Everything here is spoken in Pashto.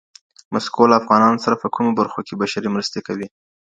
مسکو له افغانانو سره په کومو برخو کي بشري مرستې کوي؟